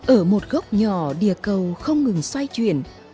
ở một góc nhỏ địa cầu không ngừng xoay chuyển